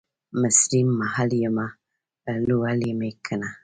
مصریم ، محل یمه ، لولی مې کنه